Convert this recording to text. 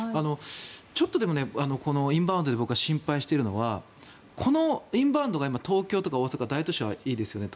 ちょっと、でもインバウンドで心配してるのはこのインバウンドで東京とか大阪とか大都市はいいですよね。